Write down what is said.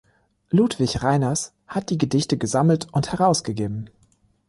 Ludwig Reiners hat die Gedichte gesammelt und herausgegeben.